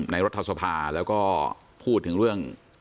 รัฐสภาแล้วก็พูดถึงเรื่อง